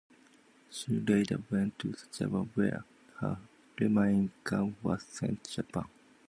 She later went to Java where her remaining cargo was sent Japan.